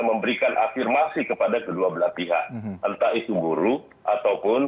memberikan afirmasi kepada kedua belah pihak entah itu guru ataupun